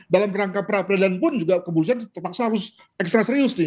dalam rangka perapradilan pun juga kepolisian terpaksa harus ekstra serius nih